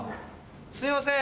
すいません